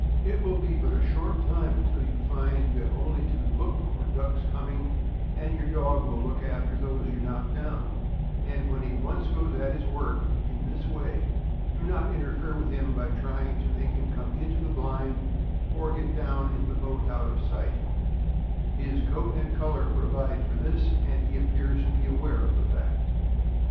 It will be but a short time until you will find you will only have to look for the ducks coming, and your dog will look after those you knock down; and when he once goes at his work in this way, do not interfere with him by trying to make him come into the blind, or get down in the boat out of sight; his coat and color provide for this, and he appears to be aware of the fact.